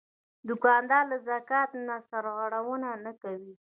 دوکاندار له زکات نه سرغړونه نه کوي.